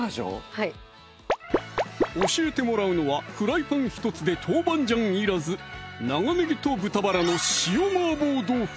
はい教えてもらうのはフライパン１つで豆板醤いらず「長ネギと豚バラの塩麻婆豆腐」